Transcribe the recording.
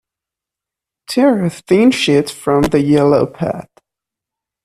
Tear a thin sheet from the yellow pad.